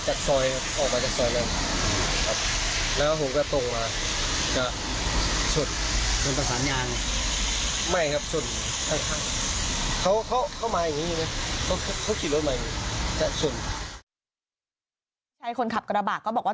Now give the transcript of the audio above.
ชายคนขับกระบะก็บอกว่า